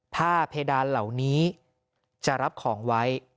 ถ้าเพดานเหล่านี้จะรับของไว้